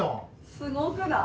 すごくない？